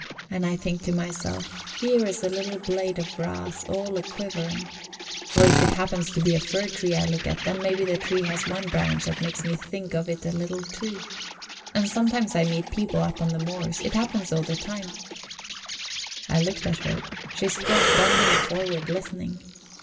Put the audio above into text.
And I think to myself: Here is a little blade of grass all a quivering. Or if it happens to be a fir tree I look at, then maybe the tree has one branch that makes me think of it a little, too. And sometimes I meet people up on the moors; it happens at times." I looked at her; she stood bending forward, listening.